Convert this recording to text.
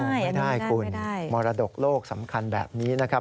ไม่ได้คุณมรดกโลกสำคัญแบบนี้นะครับ